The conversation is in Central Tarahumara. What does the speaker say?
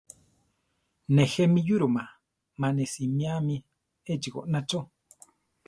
Nejé mi yúroma, mane simíame echí goná chó.